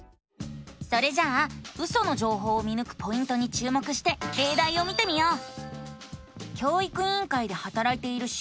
それじゃあウソの情報を見ぬくポイントに注目してれいだいを見てみよう！